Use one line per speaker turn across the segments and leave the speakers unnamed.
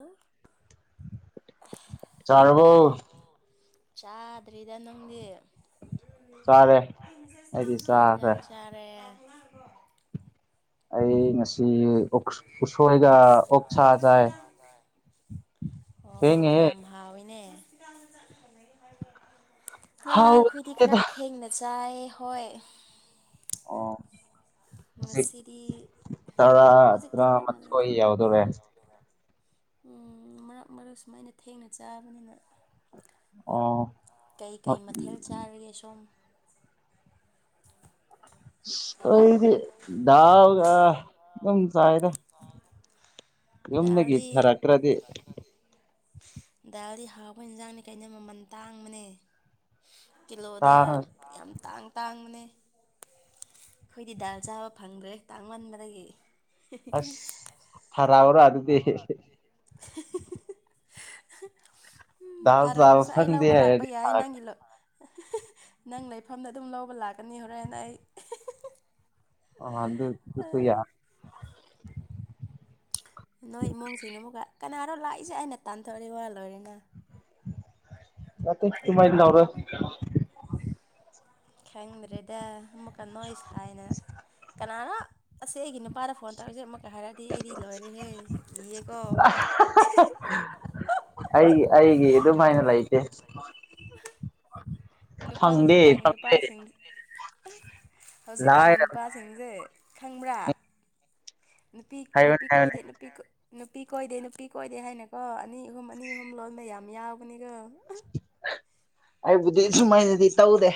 ꯑꯣꯏ
ꯆꯥꯔꯕꯣ
ꯆꯥꯗ꯭ꯔꯤꯗ ꯅꯪꯗꯤ
ꯆꯥꯔꯦ ꯑꯩꯗꯤ
ꯀꯩ
ꯆꯥꯈ꯭ꯔꯦ
ꯏꯟꯖꯥꯡ ꯆꯥꯔꯦ
ꯑꯩ ꯉꯁꯤ ꯎꯛꯁ ꯎꯁꯣꯏꯒ ꯑꯣꯛꯁꯥꯒ ꯆꯥꯏ
ꯑꯣ
ꯊꯦꯡꯉꯦꯍꯦ
ꯌꯥꯝ ꯍꯥꯎꯋꯤꯅꯦ ꯍꯥ
ꯍꯥꯎꯕ
ꯑꯩꯈꯣꯏꯗꯤ ꯈꯔ
ꯂꯩꯇꯦꯗ
ꯊꯦꯡꯅ ꯆꯥꯏ ꯍꯣꯏ
ꯑꯣ ꯍꯧꯖꯤꯛ
ꯉꯁꯤꯗꯤ
ꯇꯔꯥ
ꯍꯧꯖꯤꯛꯇꯤ ꯈꯔ ꯉꯜꯂꯤꯗ
ꯇꯔꯥꯃꯥꯊꯣꯏ ꯌꯧꯗꯣꯔꯦ
ꯎꯝ ꯃꯔꯛ ꯃꯔꯛ ꯁꯨꯃꯥꯏꯅ ꯊꯦꯡꯅ ꯆꯥꯕꯅꯤꯅ
ꯑꯣ
ꯀꯩ ꯀꯩ ꯃꯊꯦꯜ ꯆꯥꯔꯒꯦ ꯁꯣꯝ
ꯑꯩꯗꯤ ꯗꯥꯜ ꯑꯥ ꯑꯗꯨꯝ ꯆꯥꯏꯗ ꯌꯨꯝꯗꯒꯤ
ꯗꯥꯜꯗꯤ
ꯊꯥꯔꯛꯇ꯭ꯔꯗꯤ
ꯗꯥꯜꯗꯤ ꯍꯥꯎꯕ ꯏꯟꯁꯥꯡꯅꯤ ꯀꯩꯅꯣ ꯃꯃꯜ ꯇꯥꯡꯕꯅꯦ ꯀꯤꯂꯣꯗ
ꯇꯥꯡ
ꯌꯥꯝ ꯇꯥꯡ ꯇꯥꯡꯕꯅꯦ ꯑꯩꯈꯣꯏꯗꯤ ꯗꯥꯜ ꯆꯥꯕ ꯐꯪꯗ꯭ꯔꯦ ꯇꯥꯡꯃꯟꯕꯗꯒꯤ
ꯑꯁ ꯊꯥꯔꯛꯎꯔ ꯑꯗꯨꯗꯤ
[unintelligible] ꯎꯝ
ꯗꯥꯜ ꯆꯥꯕ
ꯊꯥꯔꯛꯇ꯭ꯔꯁꯨ ꯑꯩ
ꯐꯪꯗꯦ
ꯂꯧꯕ ꯂꯥꯛꯄ
ꯍꯥꯏꯔꯗꯤ
ꯌꯥ ꯌꯥꯏ
ꯊꯥꯔꯛꯀꯦ
ꯅꯪꯒꯤ ꯅꯪ ꯂꯩꯐꯝꯗ ꯑꯗꯨꯝ ꯂꯧꯕ ꯂꯥꯛꯀꯅꯤ ꯍꯣꯔꯦꯟ ꯑꯩ
ꯑꯣ ꯑꯗꯨ ꯑꯗꯨꯁꯨ ꯌꯥ
ꯅꯣꯏ ꯏꯃꯨꯡꯁꯤꯅ ꯑꯃꯨꯛꯀ ꯀꯅꯥꯔꯣ ꯂꯥꯛꯏꯁꯦ ꯑꯅ ꯇꯥꯟꯊꯣꯛꯑꯗꯤ ꯋꯥ ꯂꯣꯏꯔꯦꯅ
ꯅꯠꯇꯦ [unintelligible]
ꯗꯨꯃꯥꯏꯟ ꯇꯧꯔ‌ꯣꯏ ꯈꯪꯗ꯭ꯔꯦꯗ ꯑꯃꯨꯛ ꯀ ꯅ‌ꯣꯏ ꯁꯥꯏꯅ ꯀꯅꯥꯅꯣ ꯑꯁꯤ ꯑꯩꯒꯤ ꯅꯨꯄꯥꯗ ꯐ ꯐꯣꯟ ꯇꯧꯔꯛꯏꯁꯦ ꯑꯃꯨꯛꯀ ꯍꯥꯏꯔꯛꯑꯗꯤ ꯑꯩꯗꯤ ꯂꯣꯏꯔꯦꯍꯦ ꯀꯤꯌꯦꯀꯣ
ꯑꯩꯒꯤ ꯑꯩꯒꯤ ꯑꯗꯨꯃꯥꯏꯅ ꯂꯩꯇꯦ ꯑ
ꯅꯨꯄꯥ ꯍꯧꯖꯤꯛꯀꯥꯟꯒꯤ ꯅꯨꯄꯥꯁꯤꯡ [unintelligible] ꯍꯧꯖꯤꯛꯀꯥꯟꯒꯤ ꯅꯨꯞ
ꯂꯥꯏꯔꯕꯅꯤ
ꯅꯨꯄꯥꯁꯤꯡꯁꯦ ꯈꯪꯕ꯭ꯔꯥ ꯅꯨꯄꯤ
ꯍꯥꯏꯕꯅꯤ
ꯅꯨꯄꯤ
ꯍꯥꯏꯕꯅꯤ
ꯀꯣꯏꯗꯦ [unintelligible] ꯅꯨꯄꯤ ꯀ‌ꯣꯏ ꯅꯨꯄꯤ ꯀꯣꯏꯗꯦ ꯅꯨꯄꯤ ꯀꯣꯏꯗꯦ ꯍꯥꯏꯅꯀꯣ ꯑꯅꯤ ꯑꯍꯨꯝ ꯑꯅꯤ ꯑꯍꯨꯝ ꯂꯣꯟꯕ ꯌꯥꯝ ꯌꯥꯎꯕꯅꯤꯀ‌ꯣ
ꯑꯩꯕꯨꯗꯤ ꯁꯨꯃꯥꯏꯅꯗꯤ ꯇꯧꯗꯦ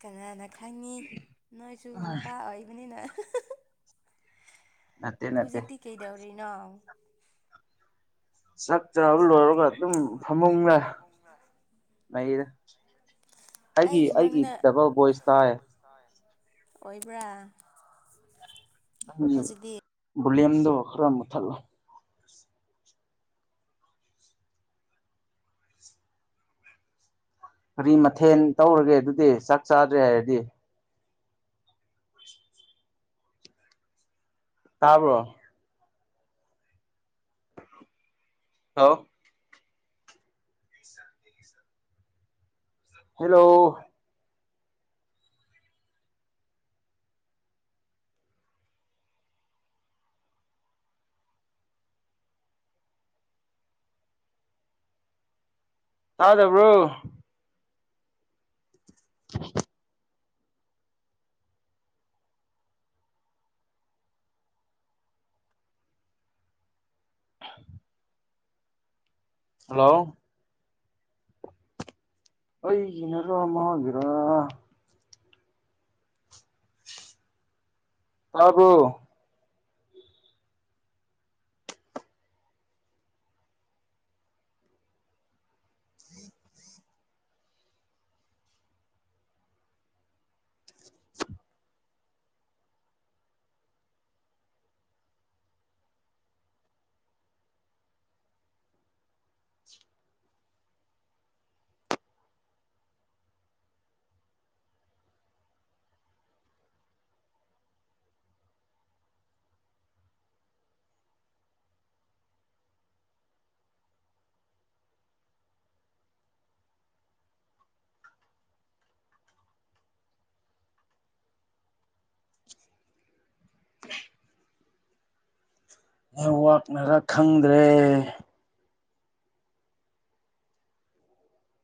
ꯀꯅꯥꯅ ꯈꯪꯉꯤ ꯅꯣꯏꯁꯨ ꯅꯨꯄꯥ ꯑꯣꯏꯕꯅꯤꯅ
ꯅꯠꯇꯦ ꯅꯠꯇꯦ
ꯍꯧꯖꯤꯛꯇꯤ ꯀꯩꯗꯧꯔꯤꯅꯣ
ꯆꯠ
ꯆꯛ ꯆꯥꯕ ꯂꯣꯏꯔꯒ ꯗꯨꯝ [unintelligible]
ꯅꯩꯔ‌ꯦ ꯑꯩꯒꯤ ꯑꯩꯒꯤ ꯗꯕꯜ ꯚꯣꯏꯁ ꯇꯥꯏ
ꯇꯥꯏ ꯑꯣꯏꯕ꯭ꯔꯥ
ꯅꯪꯒꯤ
ꯍꯧꯖꯤꯛꯇꯤ
ꯕ‌ꯣꯂ꯭ꯌꯤꯝꯗꯣ ꯈꯔ ꯃꯨꯊꯠꯂ‌ꯣ ꯀꯔꯤ ꯃꯊꯦꯟ ꯇꯧꯔꯒꯦ ꯑꯗꯨꯗꯤ ꯆꯥꯛ ꯆꯥꯗ꯭ꯔꯦ ꯍꯥꯏꯔꯗꯤ ꯇꯥꯕ꯭ꯔꯣ [unintelligible] ꯍ‌ꯦꯂꯣ ꯇꯥꯗꯕ꯭ꯔꯣ ꯍꯜꯂꯣ ꯑꯩꯒꯤꯅꯔ ꯃꯥꯒꯤꯔ ꯇꯥꯕ‌꯭ꯔ‌ꯣ [unintelligible] ꯋꯥꯛꯅꯔꯥ ꯈꯪꯗ꯭ꯔꯦ